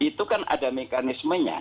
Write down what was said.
itu kan ada mekanismenya